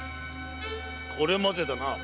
これまでだな。